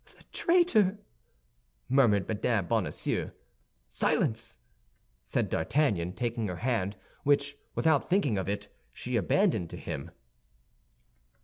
"The traitor!" murmured Mme. Bonacieux. "Silence!" said D'Artagnan, taking her hand, which, without thinking of it, she abandoned to him.